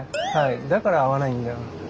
だから合わないんだよな。